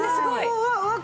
うわっ！